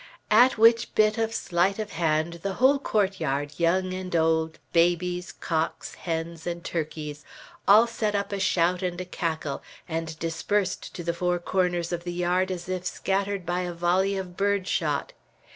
At which bit of sleight of hand the whole court yard, young and old, babies, cocks, hens, and turkeys, all set up a shout and a cackle, and dispersed to the four corners of the yard as if scattered by a volley of bird shot.